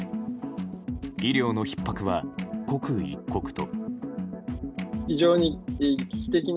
医療のひっ迫は刻一刻と。